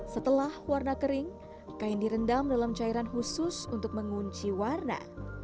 setelah warna kering kain direndam dalam cairan khusus untuk mengunci warna